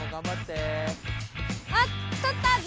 あっとったぞ！